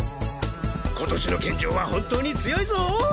今年の健丈は本当に強いぞぉ！